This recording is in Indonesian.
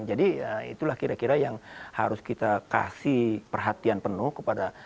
jadi itulah kira kira yang harus kita kasih perhatian penuh kepada seni